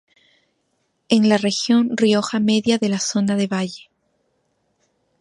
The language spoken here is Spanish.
En la región Rioja Media, de la zona de Valle.